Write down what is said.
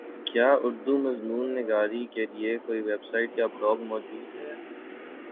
کیا اردو مضمون نگاری کیلئے کوئ ویبسائٹ یا بلاگ موجود ہے